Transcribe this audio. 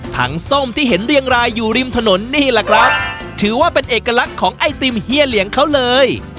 ส้มที่เห็นเรียงรายอยู่ริมถนนนี่แหละครับถือว่าเป็นเอกลักษณ์ของไอติมเฮียเหลียงเขาเลย